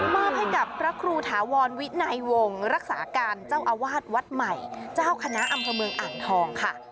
มอบให้กับพระครูถาวรวินัยวงศ์รักษาการเจ้าอาวาสวัดใหม่เจ้าคณะอำเภอเมืองอ่างทองค่ะ